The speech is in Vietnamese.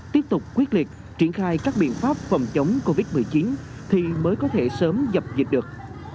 tiếp tục quyết liệt triển khai các biện pháp phòng chống covid một mươi chín thì mới có thể sớm dập dịch được